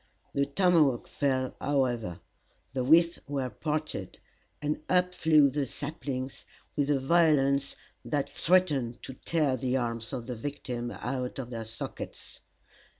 The tomahawk fell, however, the withes were parted, and up flew the saplings, with a violence that threatened to tear the arms of the victim out of their sockets.